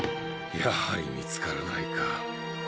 やはりみつからないか。